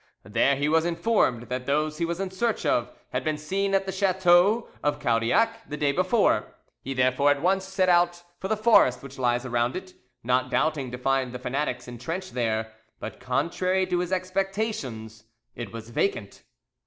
There he was informed that those he was in search of had been seen at the chateau of Caudiac the day before; he therefore at once set out for the forest which lies around it, not doubting to find the fanatics entrenched there; but, contrary to his expectations, it was vacant.